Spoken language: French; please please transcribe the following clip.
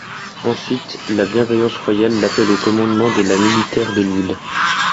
Ensuite, la bienveillance royale l'appelle au commandement de la de la militaire de Lille.